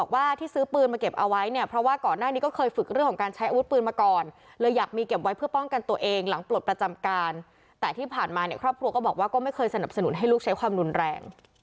คือคือมันเป็นองค์กรไม่ใช่บุคคลอย่าไปพูดอย่าไปพูดไม่ใช่แค่